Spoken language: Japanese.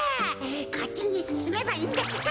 こっちにすすめばいいんだってか。